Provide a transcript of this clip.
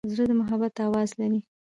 زړه د محبت آواز لري.